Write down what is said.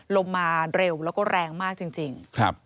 ลมมาเร็วแล้วก็แรงมากจริง